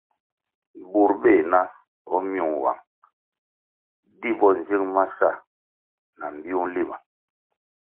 Bur beh na o myung nwang, di bo nzig ma sa na mbpiu nlima.